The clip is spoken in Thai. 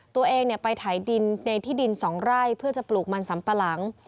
ตัวเองไปถ่ายดินในที่ดิน๒ไร่เพื่อจะปลูกมันสัมปะหลัง